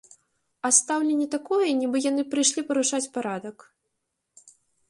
А стаўленне такое, нібы яны прыйшлі парушаць парадак.